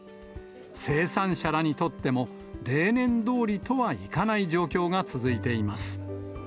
生産者らにとっても、例年どおりとはいかない状況が続いています。